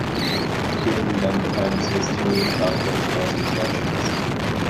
Hume then defends his two doctrines against objections.